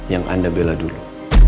yang anda bela dulu